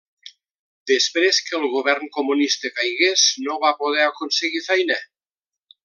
Després que el govern Comunista caigués, no va poder aconseguir feina.